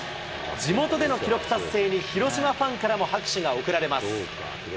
地元での記録達成に、広島ファンからも拍手が送られます。